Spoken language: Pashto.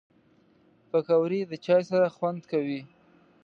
پکورې د چای سره خوند کوي